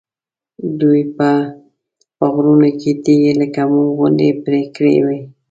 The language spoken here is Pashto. دوی به په غرونو کې تیږې لکه موم غوندې پرې کړې وي.